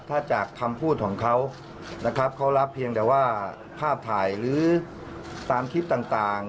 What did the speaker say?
ถ้าจากคำพูดของเขานะครับเขารับเพียงแต่ว่าภาพถ่ายหรือตามคลิปต่าง